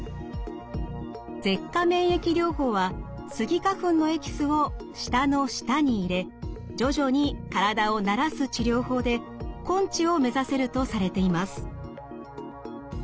舌下免疫療法はスギ花粉のエキスを舌の下に入れ徐々に体を慣らす治療法で根治を目指せるとされています。